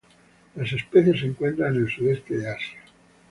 Las especies se encuentran en el Sudeste de Asia.